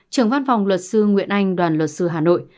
trưởng văn phòng luật sư nguyễn anh đoàn luật sư hà nội